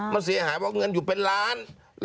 มันเสียหายเพราะเงินอยู่เป็นล้าน